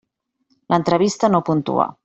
L'entrevista no puntua.